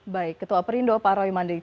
baik ketua perindo pak roy mandi